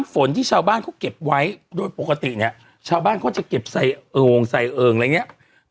ฝนที่ชาวบ้านเขาเก็บไว้โดยปกติเนี่ยชาวบ้านเขาจะเก็บใส่เอิ่งใส่เอิงอะไรอย่างนี้